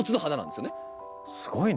すごいね。